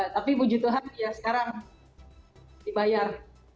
tapi puji tuhan ya sekarang dibayar